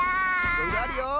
いろいろあるよ。